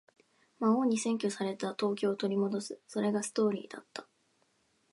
魔王に占拠された東京を取り戻す。それがストーリーだった。